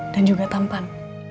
dan juga tampan